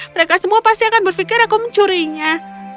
mereka semua pasti akan berpikir aku mencurinya